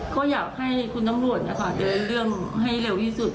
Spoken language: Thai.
ก็อยากให้คุณน้ำรวจเรียนเรื่องให้เร็วที่สุด